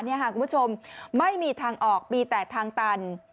คุณผู้ชมไม่มีทางออกมีแต่ทางตัน